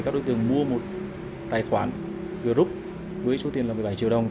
các đối tượng mua một tài khoản group với số tiền là một mươi bảy triệu đồng